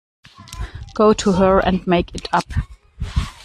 Go to her and make it up.